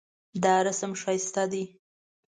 دا رسم ښایسته دی